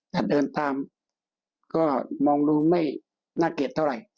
ถ้าเดินตามก็มองดูไม่น่าเกลียดเท่าไหร่